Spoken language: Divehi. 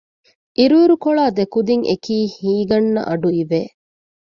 އިރުއިރުކޮޅާ ދެކުދިން އެކީ ހީގަންނަ އަޑުއިވެ